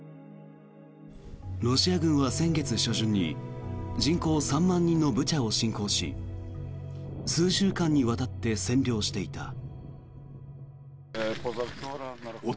ロシア軍は先月初旬に人口３万人のブチャを侵攻し数週間にわたって占領していた。